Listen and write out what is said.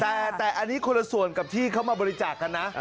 แต่อันนี้คนละส่วนกับที่เขามาบริจาคกันนะ